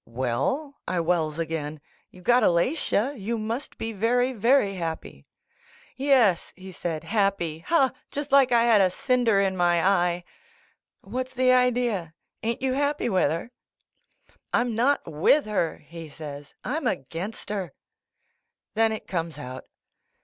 "Well," I wells again, "you got Alatia, you must be very, very happy." "Yes," he said, "happy. Ha ! just like I had a cinder in my eye." "What's the idea? Ain't you happy witli her?" "I'm not a'ith her." he says ; "I'm atjainxf her." Then it comes out.